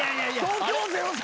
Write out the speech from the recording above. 東京０３